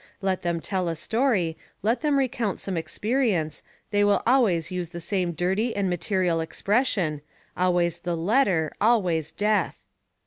Let them tell a story, let them recount some experience, they will always use the same dirty and material expression, always the letter, always death!